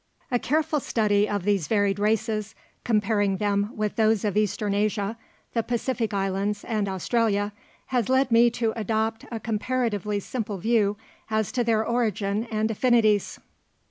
A careful study of these varied races, comparing them with those of Eastern Asia, the Pacific Islands, and Australia, has led me to adopt a comparatively simple view as to their origin and affinities.